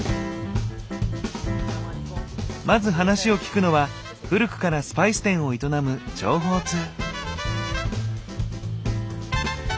まず話を聞くのは古くからスパイス店を営む情報通。